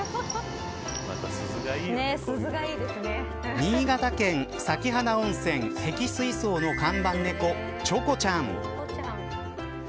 新潟県咲花温泉碧水荘の看板猫チョコちゃん。